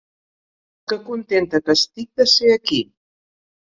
Que contenta que estic de ser aquí!